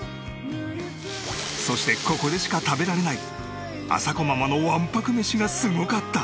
そしてここでしか食べられないあさこママのわんぱく飯がすごかった！